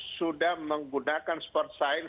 sudah menggunakan sport science